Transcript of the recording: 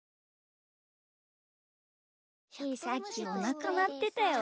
ひーさっきおなかなってたよ。